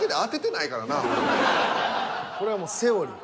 これはもうセオリー。